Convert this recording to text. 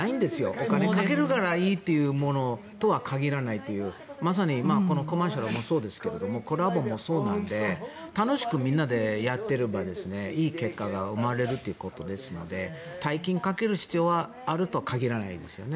お金をかけるからいいものとは限らないというまさにこのコマーシャルもそうですがコラボもそうなので楽しくみんなでやっていればいい結果が生まれるということですので大金をかける必要はあるとは限らないですよね。